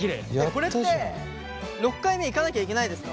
これって６回目いかなきゃいけないですか？